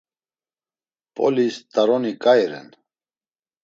P̌olis t̆aroni ǩai ren.